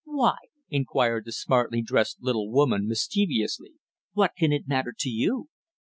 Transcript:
"Why?" inquired the smartly dressed little woman, mischievously. "What can it matter to you?"